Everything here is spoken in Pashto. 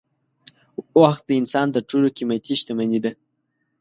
وخت د انسان تر ټولو قېمتي شتمني ده.